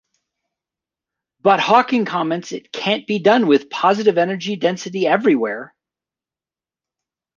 But Hawking comments it can't be done with positive energy density everywhere!